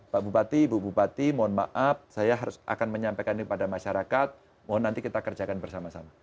pak bupati ibu bupati mohon maaf saya akan menyampaikan ini kepada masyarakat mohon nanti kita kerjakan bersama sama